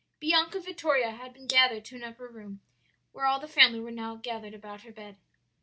"Bianca Vittoria had been carried to an upper room, where all the family were now gathered about her bed.